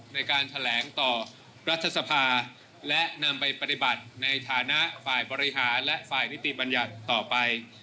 ในการแถลงต่อรัฐสภาและนำไปปฏิบัติในฐานะฝ่ายบริหารและฝ่ายนิติบัญญัติต่อไป